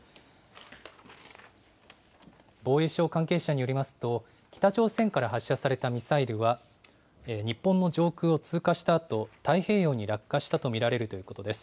防衛省関係者によりますと、北朝鮮から発射されたミサイルは日本の上空を通過したあと、太平洋に落下したと見られるということです。